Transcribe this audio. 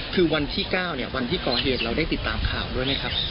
คือวันที่๙เนี่ยวันที่ก่อเหตุเราได้ติดตามข่าวด้วยไหมครับ